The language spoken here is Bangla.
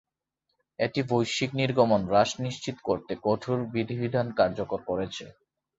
এটি বৈশ্বিক নির্গমন হ্রাস নিশ্চিত করতে কঠোর বিধিবিধান কার্যকর করেছে।